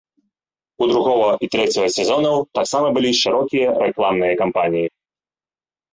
У другога і трэцяга сезонаў таксама былі шырокія рэкламныя кампаніі.